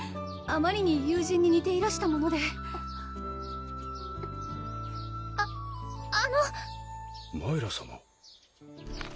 あまりに友人ににていらしたものでああのマイラさま